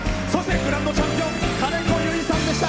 グランドチャンピオン兼子結さんでした。